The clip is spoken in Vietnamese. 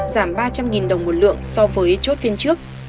giảm ba trăm linh đồng một lượng so với chốt phiên trước